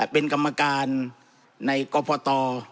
เป็นกรรมการในกรกต